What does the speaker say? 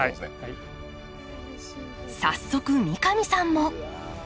早速三上さんも。